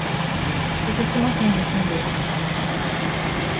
福島県に住んでいます。